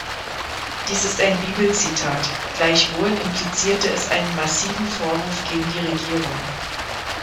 Dies ist ein Bibelzitat; gleichwohl implizierte es einen massiven Vorwurf gegen die Regierung.